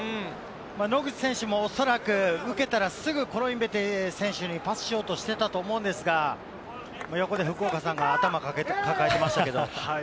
野口選手もおそらく受けたら、すぐコロインベテ選手にパスしようとしてたと思うんですが、横で福岡さんが頭を抱えてましたけれども。